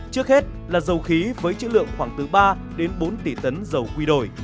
trước hết là dầu khí với chữ lượng khoảng từ ba đến bốn tỷ tấn dầu quy đổi